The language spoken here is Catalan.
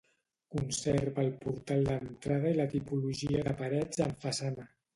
Conserva el portal d'entrada i la tipologia de parets en façana.